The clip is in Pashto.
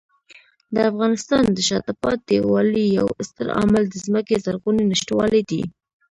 د افغانستان د شاته پاتې والي یو ستر عامل د ځمکې زرغونې نشتوالی دی.